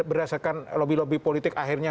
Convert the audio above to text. berdasarkan lobby lobby politik akhirnya